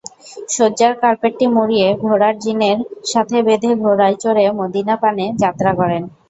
শয্যার কার্পেটটি মুড়িয়ে ঘোড়ার জিনের সাথে বেঁধে ঘোড়ায় চড়ে মদীনাপানে যাত্রা করেন।